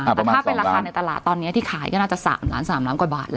แต่ถ้าเป็นราคาในตลาดตอนนี้ที่ขายก็น่าจะ๓ล้าน๓ล้านกว่าบาทแล้ว